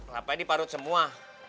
lapanya diparut semua